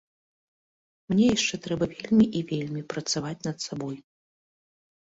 Мне яшчэ трэба вельмі і вельмі працаваць над сабой.